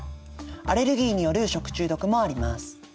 アレルギーによる食中毒もあります。